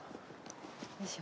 よいしょ。